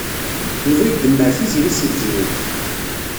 Yuba idemmer Tiziri seg tzewwut.